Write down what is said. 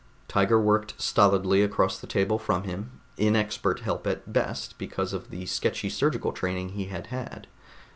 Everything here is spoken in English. Tiger worked stolidly across the table from him, inexpert help at best because of the sketchy surgical training he had had.